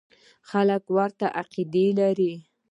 خلک ورته عقیده لري.